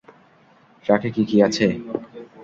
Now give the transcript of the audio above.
ট্রাকে কী কী আছে?